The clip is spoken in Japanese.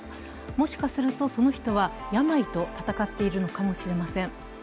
もしかすると、その人は病と闘っているのかもしれません。